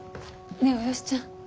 ねぇおよしちゃん。